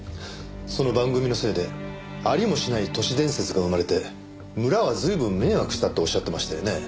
その番組のせいでありもしない都市伝説が生まれて村は随分迷惑したっておっしゃってましたよね？